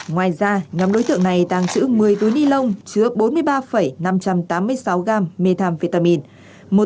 ngoài ra nhóm đối tượng này tàng chữ một mươi túi ni lông chứa bốn mươi ba năm trăm tám mươi sáu gam methamphetamine